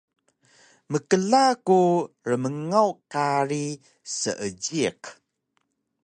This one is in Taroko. Mkla ku rmngaw kari Seejiq